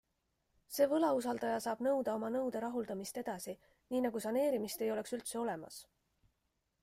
See võlausaldaja saab nõuda oma nõude rahuldamist edasi, nii nagu saneerimist ei oleks üldse olemas.